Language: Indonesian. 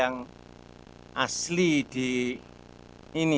tanda sebaiknya yang asli di ini